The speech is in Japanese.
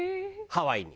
ハワイに。